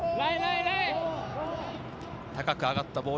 高く上がったボール。